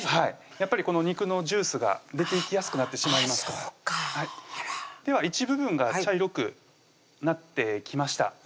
やっぱりこの肉のジュースが出ていきやすくなってしまいますでは一部分が茶色くなってきました